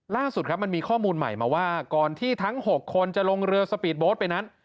ล่าสุดครับมันมีข้อมูลใหม่มาว่าก่อนที่ทั้ง๖คนจะลงเรือสปีดโบ๊ทไปนั้น